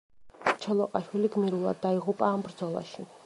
ჩოლოყაშვილი გმირულად დაიღუპა ამ ბრძოლაში.